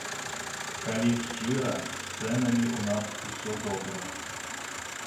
Калі шчыра, з цэнамі ў нас усё добра.